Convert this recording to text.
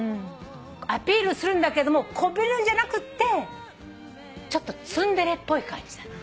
アピールするんだけどもこびるんじゃなくってちょっとツンデレっぽい感じなの。